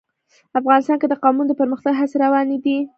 افغانستان کې د قومونه د پرمختګ هڅې روانې دي.